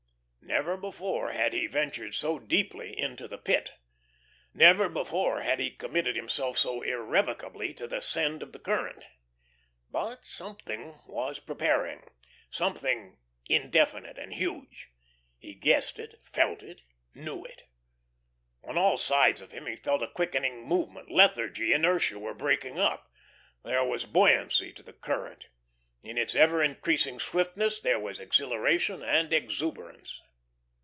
Never before had he ventured so deeply into the Pit. Never before had he committed himself so irrevocably to the send of the current. But something was preparing. Something indefinite and huge. He guessed it, felt it, knew it. On all sides of him he felt a quickening movement. Lethargy, inertia were breaking up. There was buoyancy to the current. In its ever increasing swiftness there was exhilaration and exuberance.